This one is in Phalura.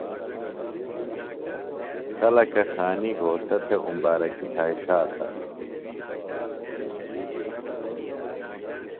خلکہ خانی گھوݜٹہ تھے اُمبارکی یھائی ݜاتہ۔